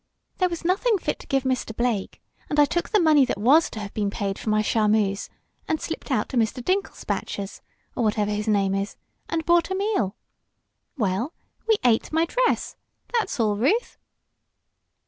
"There was nothing fit to give Mr. Blake, and I took the money that was to have been paid for my charmeuse, and slipped out to Mr. Dinkelspatcher's or whatever his name is and bought a meal. Well, we ate my dress, that's all, Ruth."